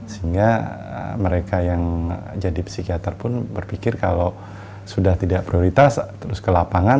sehingga mereka yang jadi psikiater pun berpikir kalau sudah tidak prioritas terus ke lapangan